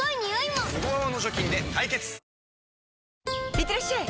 いってらっしゃい！